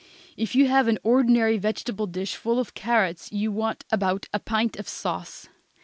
If you have an ordinary vegetable dish full of carrots you want about a pint of sauce.